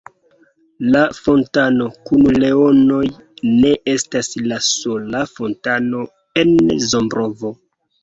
La fontano kun leonoj ne estas la sola fontano en Zambrovo.